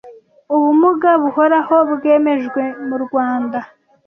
ubumuga buhoraho bwemejwe mu Rwanda